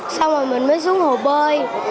xong rồi mình mới xuống hồ bơi